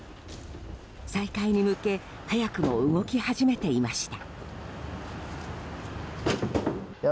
再開に向け早くも動き始めていました。